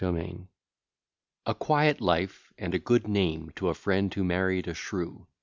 B._] A QUIET LIFE AND A GOOD NAME TO A FRIEND WHO MARRIED A SHREW.